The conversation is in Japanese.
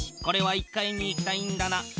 これは１階に行きたいんだな。